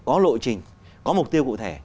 có lộ trình có mục tiêu cụ thể